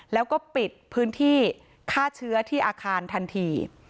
แล้วก็ปิดพื้นที่ฆ่าเชื้อที่อาคารทันที